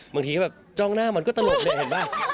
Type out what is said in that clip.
บางทีก็แบบจ้องหน้ามันก็ตลกเลยเห็นป่ะ